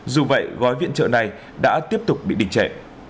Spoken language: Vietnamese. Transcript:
dù vậy gói viện trợ này đã tiếp tục bị đình trệ